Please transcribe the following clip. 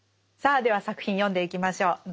さあでは作品読んでいきましょう。